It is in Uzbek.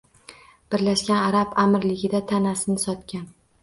Birlashgan arab amirligida tanasini sotgan